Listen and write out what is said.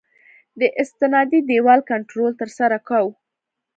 د استنادي دیوال کنټرول ترسره کوو